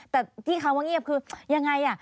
แต่ที่คำว่าเงียบคือยังไง